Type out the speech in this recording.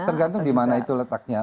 tergantung di mana itu letaknya